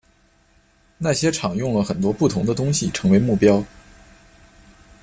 那些场用了很多不同的东西成为目标。